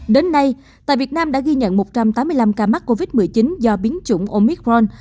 đến nay tại việt nam đã ghi nhận một trăm tám mươi năm ca mắc covid một mươi chín do biến chủng omicron